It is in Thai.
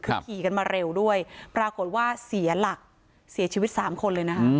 คือขี่กันมาเร็วด้วยปรากฏว่าเสียหลักเสียชีวิตสามคนเลยนะคะ